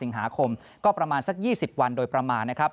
สิงหาคมก็ประมาณสัก๒๐วันโดยประมาณนะครับ